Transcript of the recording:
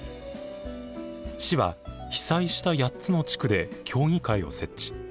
市は被災した８つの地区で協議会を設置。